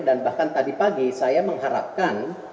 bahkan tadi pagi saya mengharapkan